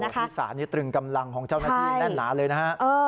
ที่ศาลนี้ตรึงกำลังของเจ้าหน้าที่แน่นหนาเลยนะฮะ